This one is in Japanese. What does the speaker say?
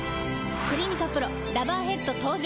「クリニカＰＲＯラバーヘッド」登場！